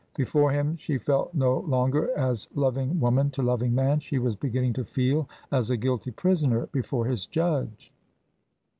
Before him she felt no longer as loving woman to loving man she was beginning to feel as a guilty prisoner before his judge.